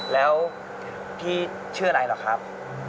แล้วพี่ชื่ออะไรล่ะครับ